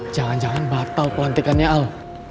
jangan jangan batal pelantikannya al